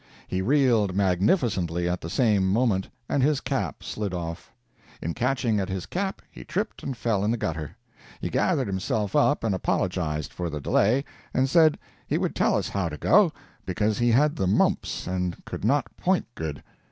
He reeled magnificently at the same moment, and his cap slid off. In catching at his cap he tripped and fell in the gutter. He gathered himself up and apologized for the delay, and said he would tell us how to go, because he had the mumps and could not point good.